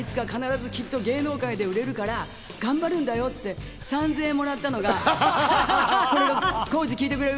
あんたならいつか必ずきっと芸能界で売れるから頑張るんだよって３０００円もらったのが浩次、聞いてくれる？